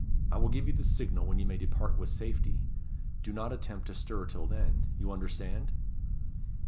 I will give you the signal when you may depart with safety. Do not attempt to stir till then. You understand?"